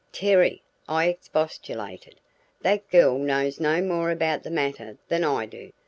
"Terry," I expostulated, "that girl knows no more about the matter than I do.